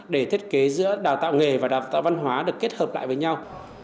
để thiết kế giữa đào tạo nghề và đào tạo văn hóa được kết hợp lại với nhau